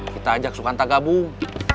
kita ajak sukanta gabung